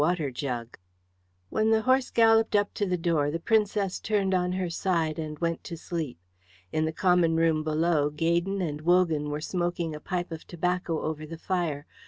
CHAPTER XVI When the horse galloped up to the door, the Princess turned on her side and went to sleep. In the common room below Gaydon and Wogan were smoking a pipe of tobacco over the fire.